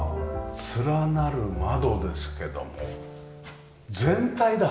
連なる窓ですけども全体だ！